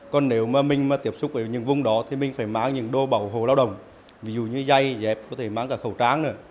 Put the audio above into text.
còn nếu mình tiếp xúc với những vùng đó thì mình phải mang những đồ bảo hộ lao động ví dụ như dây dẹp có thể mang cả khẩu trang nữa